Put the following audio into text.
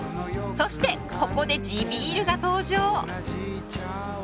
そしてここで地ビールが登場！